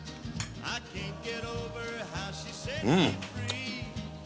うん！